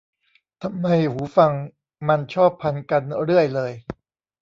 ทำไมหูฟังมันชอบพันกันเรื่อยเลย